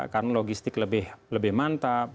karena logistik lebih mantap